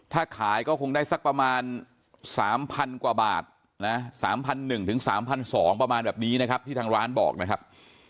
ถ้าขายก็คงได้สักประมาณ๓๐๐กว่าบาทนะ๓๑๓๒๐๐ประมาณแบบนี้นะครับที่ทางร้านบอกนะครับ